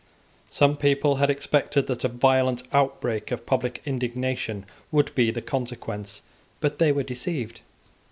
Some people had expected that a violent outbreak of public indignation would be the consequence; but they were deceived.